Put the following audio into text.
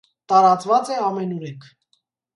Տարածված է ամենուրեք։